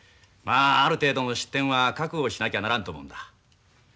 まあある程度の失点は覚悟しなきゃならんと思うんだ。